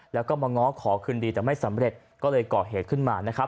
แล้วก็มาง้อขอคืนดีแต่ไม่สำเร็จก็เลยก่อเหตุขึ้นมานะครับ